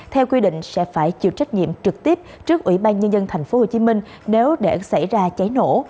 theo quy định sẽ phải chịu trách nhiệm trực tiếp trước ủy ban nhân dân thành phố hồ chí minh nếu để xảy ra cháy nổ